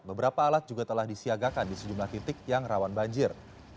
beberapa alat juga telah disiagakan di sejumlah titik yang rawan banjir